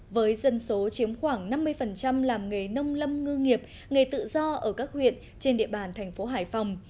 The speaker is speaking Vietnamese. với dân số chiếm khoảng năm mươi làm nghề nông lâm ngư nghiệp nghề tự do ở các huyện trên địa bàn thành phố hải phòng